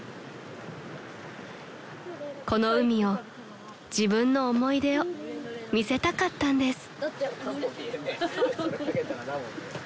［この海を自分の思い出を見せたかったんです］